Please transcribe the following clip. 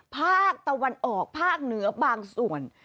ภาคตะวันออกภาคเหนือบางส่วน